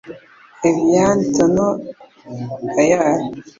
Evian Thonon Gaillar